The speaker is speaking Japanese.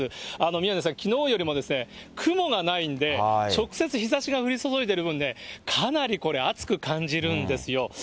宮根さん、きのうよりも雲がないんで、直接日ざしが降り注いでる分ね、かなりこれ、暑く感じるんですよ。